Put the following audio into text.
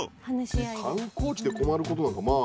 観光地で困ることなんかまあ。